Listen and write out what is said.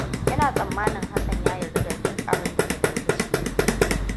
Ina tsammanin Hassan ya yarda da duk abinda Zulai ta ce.